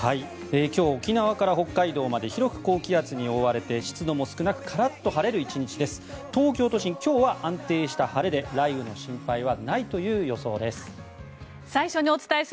今日、沖縄から北海道まで広く高気圧に覆われて湿度も少なくカラッと晴れる１日です。